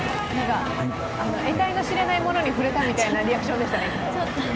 えたいの知れないものに、触れたみたいなリアクションでした。